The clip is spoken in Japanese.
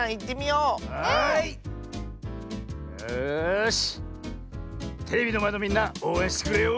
よしテレビのまえのみんなおうえんしてくれよ。